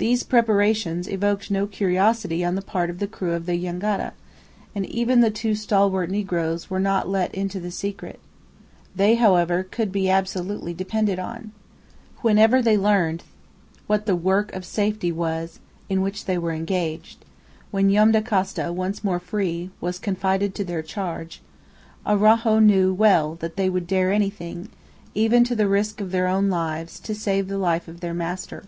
These preparations evoked no curiosity on the part of the crew of the jangada, and even the two stalwart negroes were not let into the secret. They, however, could be absolutely depended on. Whenever they learned what the work of safety was in which they were engaged when Joam Dacosta, once more free, was confided to their charge Araujo knew well that they would dare anything, even to the risk of their own lives, to save the life of their master.